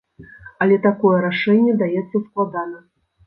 Але такое рашэнне даецца складана.